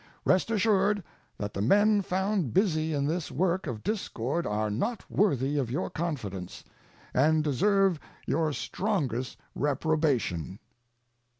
Rest assured that the men found busy in this work of discord are not worthy of your confidence, and deserve your strongest reprobation.